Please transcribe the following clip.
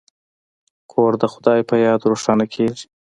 کور د خدای په یاد روښانه کیږي.